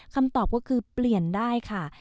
คำตอบก็คือเปลี่ยนได้ค่ะ